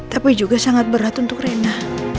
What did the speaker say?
tapi juga sangat berat untuk rena